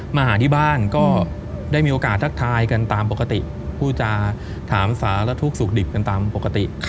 มาหาที่บ้านก็ได้มีโอกาสทักทายกันตามปกติผู้จาถามสารทุกข์สุขดิบกันตามปกติ